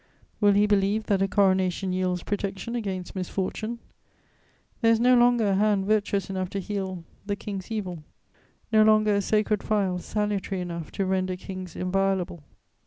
Will he believe that a coronation yields protection against misfortune? There is no longer a hand virtuous enough to heal the king's evil, no longer a sacred phial salutary enough to render kings inviolable."